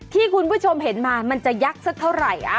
ที่คุณผู้ชมเห็นมามันจะยักษ์สักเท่าไหร่